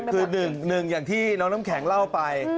คือหนึ่งอย่างที่น้องน้ำแข็งเล่าไป